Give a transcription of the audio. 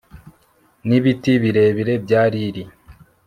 nibiti birebire bya lili